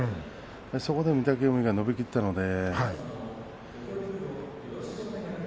そこで御嶽海が伸びきったので。